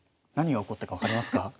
何が起こったか分かりますか？